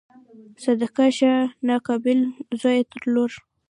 صدقه شه ناقابل زویه تر لوره